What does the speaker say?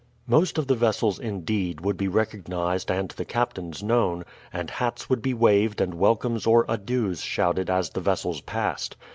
Most of the vessels, indeed, would be recognized and the captains known, and hats would be waved and welcomes or adieus shouted as the vessels passed.